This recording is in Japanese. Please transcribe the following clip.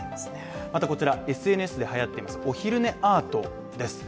またこちら、ＳＮＳではやっていますおひるねアートです。